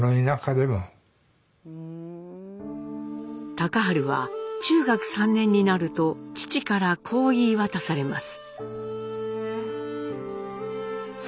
隆治は中学３年になると父からこう言い渡されます。